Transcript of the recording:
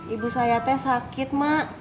ibu saya tehnya sakit mak